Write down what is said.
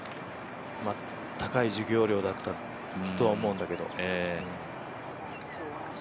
高い授業料だったとは思うんだけど。